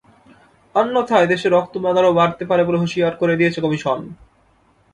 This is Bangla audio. অন্যথায় দেশে রক্তপাত আরও বাড়তে পারে বলে হুঁশিয়ার করে দিয়েছে কমিশন।